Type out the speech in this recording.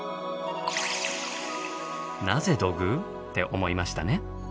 「なぜ土偶？」って思いましたね。